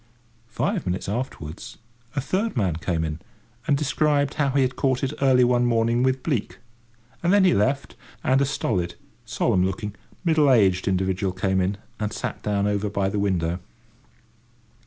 Five minutes afterwards, a third man came in, and described how he had caught it early one morning, with bleak; and then he left, and a stolid, solemn looking, middle aged individual came in, and sat down over by the window.